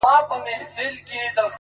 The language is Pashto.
د وخت مجنون يم ليونى يمه زه_